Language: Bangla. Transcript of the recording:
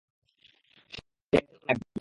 সে একজন আমেরিকান নাগরিক।